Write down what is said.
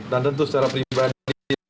dan tentu secara pribadi